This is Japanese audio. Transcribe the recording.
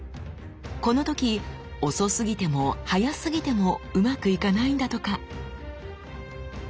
この時遅すぎても早すぎてもうまくいかないんだとか。